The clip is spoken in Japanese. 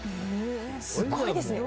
すごいですね。